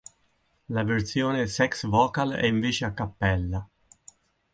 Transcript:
La versione "Sex Vocal" è invece a cappella.